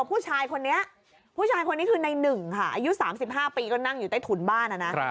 ผู้ชายคนนี้ผู้ชายคนนี้คือในหนึ่งค่ะอายุ๓๕ปีก็นั่งอยู่ใต้ถุนบ้านนะ